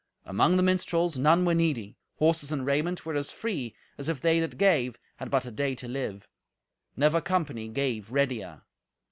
Among the minstrels none were needy. Horses and raiment were as free as if they that gave had but a day to live. Never company gave readier.